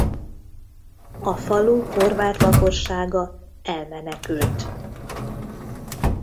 A falu horvát lakossága elmenekült.